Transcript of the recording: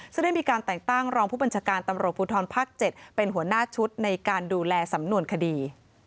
ซึ่งได้มีการแต่งตั้งรองผู้บัญชาการตำรวจภูทรภาค๗เป็นหัวหน้าชุดในการดูแลสำนวนคดี